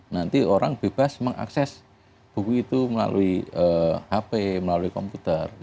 nanti orang bebas mengakses buku itu melalui hp melalui komputer